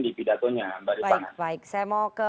di pidatonya mbak rifana baik saya mau ke